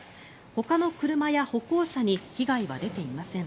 ほかの車や歩行者に被害は出ていません。